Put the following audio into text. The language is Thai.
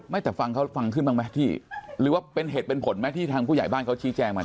แต่ฟังเขาฟังขึ้นบ้างไหมที่หรือว่าเป็นเหตุเป็นผลไหมที่ทางผู้ใหญ่บ้านเขาชี้แจงมา